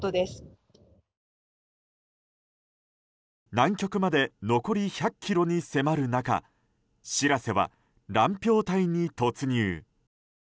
南極まで残り１００ｋｍに迫る中「しらせ」は乱氷帯に突入。